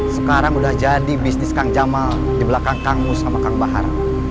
sekarang udah jadi bisnis kang jamal di belakang kang mus sama kang bahar